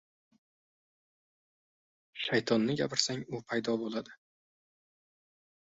• Shaytonni gapirsang, u paydo bo‘ladi.